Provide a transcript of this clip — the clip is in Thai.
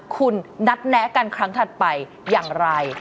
คุณนัดแนะกันครั้งถัดไปอย่างไร